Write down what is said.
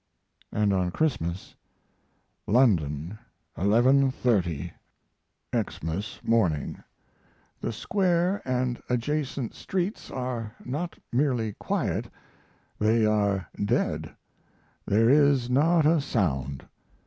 And on Christmas: London, 11.30 Xmas morning. The Square & adjacent streets are not merely quiet, they are dead. There is not a sound.